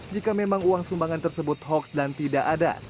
jika memang uang sumbangan tersebut hoaks dan tidak ada